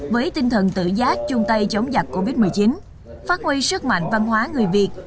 với tinh thần tự giác chung tay chống dịch covid một mươi chín phát huy sức mạnh văn hóa người việt